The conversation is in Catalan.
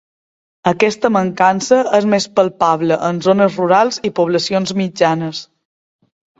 Aquesta mancança és més palpable en zones rurals i poblacions mitjanes.